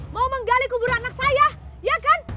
mau menggali kubur anak saya ya kan